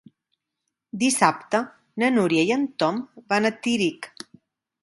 Dissabte na Núria i en Tom van a Tírig.